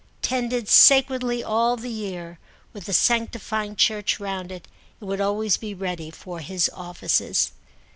Tended sacredly all the year, with the sanctifying church round it, it would always be ready for his offices.